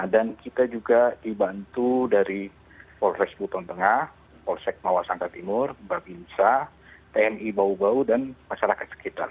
dan kita juga dibantu dari polres butong tengah polsek mawasangka timur bapinsa tni bawubawu dan masyarakat sekitar